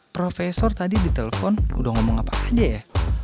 profesor tadi di telepon udah ngomong apa aja ya